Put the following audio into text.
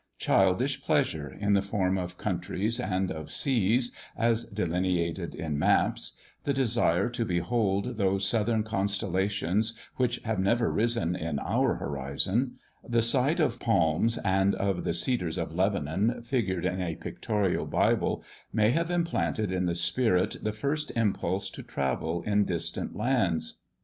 Childish pleasure, in the form of countries and of seas, as delineated in maps; the desire to behold those southern constellations which have never risen in our horizon; the sight of palms and of the cedars of Lebanon, figured in a pictorial Bible, may have implanted in the spirit the first impulse to travel in distant lands.